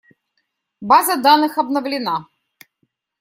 База данных обновлена.